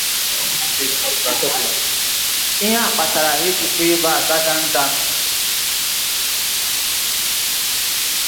This leads the settler to call the "Dagandagan".